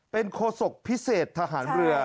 เป็นโคศกพิเศษทหารเรือ